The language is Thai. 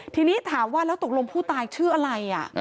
ทีนี้ถามว่าแล้วตกลงผู้ตายชื่ออะไร